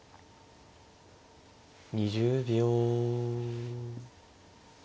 ２０秒。